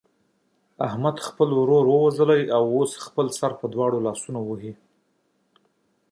احمد خپل ورور وواژه او اوس خپل سر په دواړو لاسونو وهي.